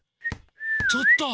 ちょっと！